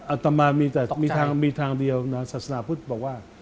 อัตมามีทางเดียวศาสนาบุตรบอกว่า